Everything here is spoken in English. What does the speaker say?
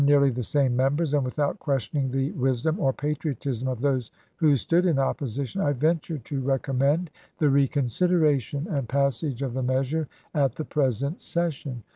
nearly the same members, and without questioning the wis dom or patriotism of those who stood in opposition, I ven ture to recommend the reconsideration and passage of the measure at the present session.